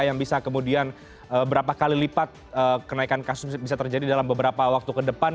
yang bisa kemudian berapa kali lipat kenaikan kasus bisa terjadi dalam beberapa waktu ke depan